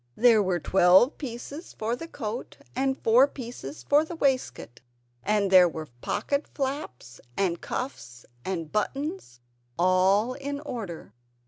There were twelve pieces for the coat and four pieces for the waistcoat; and there were pocket flaps and cuffs and buttons, all in order.